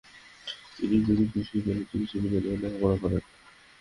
তিনি জুরিখ বিশ্ববিদ্যালয়ে চিকিৎসাবিজ্ঞান নিয়ে লেখাপড়া করেন।